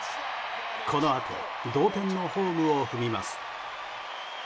このあと同点のホームを踏みます。